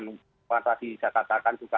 apa yang saya katakan juga